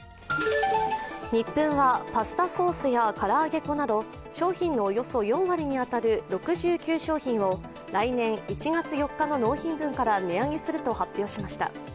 ニップンはパスタソースやから揚げ粉など商品のおよそ４割に当たる６９商品を、来年１月４日の納品分から値上げすると発表しました。